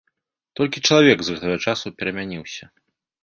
Толькі чалавек з гэтага часу перамяніўся.